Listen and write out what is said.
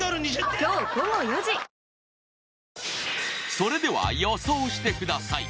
それでは予想してください。